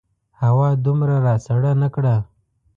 هوا دومره راسړه نه کړه.